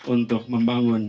untuk membangun jakarta